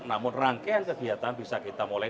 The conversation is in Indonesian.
namun rangkaian kegiatan bisa kita mulai